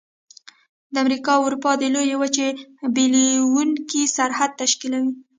د امریکا او اروپا د لویې وچې بیلونکی سرحد تشکیلوي.